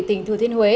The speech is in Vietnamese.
tỉnh thừa thiên huế